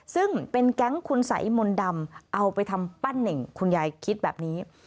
ซึ่งเป็นแก๊งคุณสัยมนต์ดำเอาไปทำปั้นเน่งคุณยายคิดแบบนี้